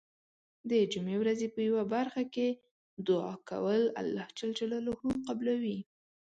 د جمعې ورځې په یو برخه کې دعا کول الله ج قبلوی .